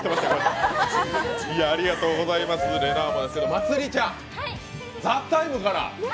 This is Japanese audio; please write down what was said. まつりちゃん「ＴＨＥＴＩＭＥ，」から。